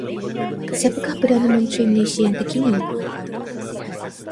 Siapakah Perdana Menteri Malaysia yang terkini?